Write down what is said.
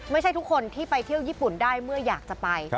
ไม่ใช่ทุกคนที่ไปเที่ยวญี่ปุ่นได้เมื่ออยากจะไป